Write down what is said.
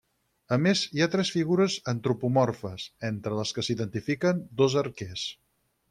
A més hi ha tres figures antropomorfes, entre les que s'identifiquen dos arquers.